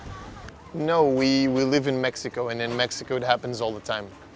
tidak kami tinggal di meksiko dan di meksiko itu selalu terjadi